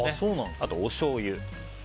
あと、おしょうゆ。